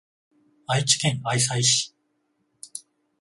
愛知県愛西市